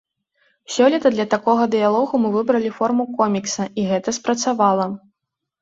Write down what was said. Сёлета для такога дыялогу мы выбралі форму комікса, і гэта спрацавала.